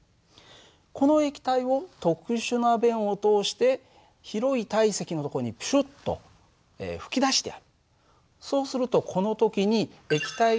この液体を特殊な弁を通して広い体積のところにプシュッと吹き出してやる。